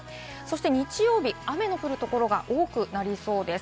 日曜日、雨の降るところが多くなりそうです。